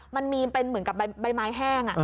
มันมีเป็นเหมือนกับใบไม้แห้ง